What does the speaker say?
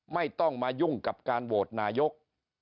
ไม่ต้องมายุ่งกับการโหวตนายก